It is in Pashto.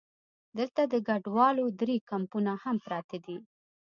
دلته د کډوالو درې کمپونه هم پراته دي.